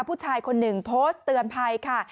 ผู้ชายคนหนึ่งโพสต์เตือนภัยค่ะ